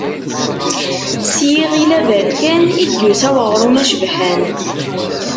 S yiɣil aberkan, i d-yusa uɣrum acebḥan.